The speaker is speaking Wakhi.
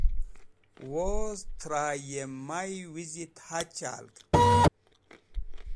woz thra may wezit ha chalgd